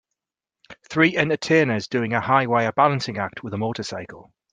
Three entertainers doing a high wire balancing act with motorcycle.